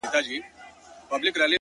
هغه نجلۍ مي اوس پوښتنه هر ساعت کوي؛